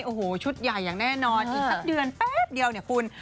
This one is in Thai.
โอ้โหชุดใหญ่อย่างแน่นอนอีกสักเดือนแป๊บเดียวเนี่ยคุณ